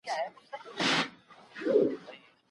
باور هغه وخت پيدا کيږي چې ارزښت وپيژندل سي.